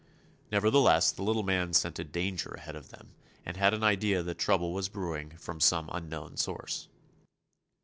Nevertheless, the little man scented danger ahead of them and had an idea that trouble was brewing from some unknown source.